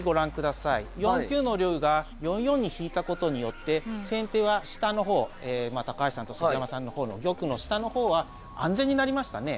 ４九の龍が４四に引いたことによって先手は下の方高橋さんと杉山さんの方の玉の下の方は安全になりましたね。